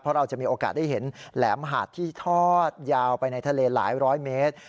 เพราะเราจะมีโอกาสได้เห็นแหลมหาดที่ทอดยาวไปในทะเลหลายร้อยเมตร